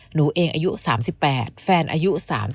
หนูเองอายุ๓๘แฟนอายุ๓๒